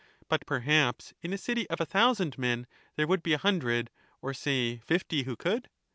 But, perhaps, in a city of a thousand men, there would be a hundred, or say fifty, who could